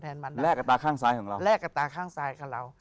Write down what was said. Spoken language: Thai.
แดดก็ตามข้างซ้ายของเรา